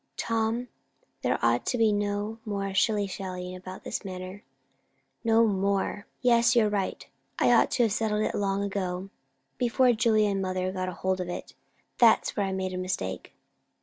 "Tom, there ought to be no more shilly shallying about this matter." "No more! Yes, you're right. I ought to have settled it long ago, before Julia and mother got hold of it. That's where I made a mistake."